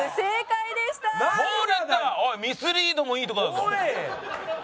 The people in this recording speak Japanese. おいミスリードもいいとこだぞ！